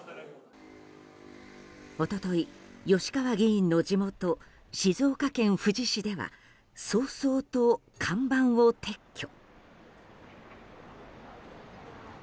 おととい、吉川議員の地元静岡県富士市では早々と看板を撤去。